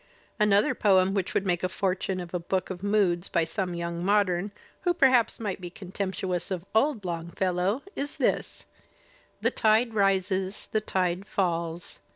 Another poem which would make the fortune of a book of "moods" by some young modem, who perhaps might be contemptuous of old Longfellow, is this: The tide rises, the tide falls.